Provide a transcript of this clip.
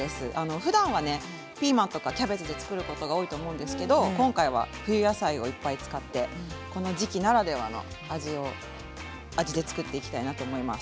ふだんはピーマンとかキャベツで作ることが多いと思うんですが今回は冬野菜をいっぱい使ってこの時期ならではの味で作っていきたいと思います。